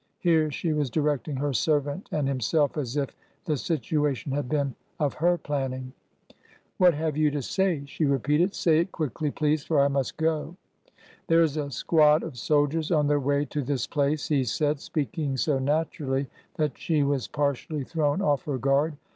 Here she was directing her servant and himself as if the situation had been of her planning. "What have you to say?" she repeated. "Say it quickly, please, for I must go." " There is a squad of soldiers on their way to this place," he said, speaking so naturally that she was par tially thrown off her guard.